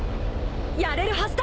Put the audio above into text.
やれるはずだ。